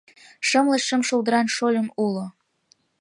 Шымле шым шулдыран шольым уло